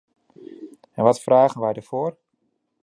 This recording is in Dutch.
En wat vragen wij daarvoor?